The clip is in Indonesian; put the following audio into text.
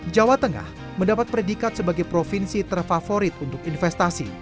jawa tengah mendapat predikat sebagai provinsi terfavorit untuk investasi